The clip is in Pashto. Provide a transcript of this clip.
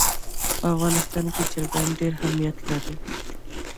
په افغانستان کې چرګان ډېر اهمیت لري.